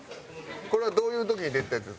これはどういう時に出てたやつ？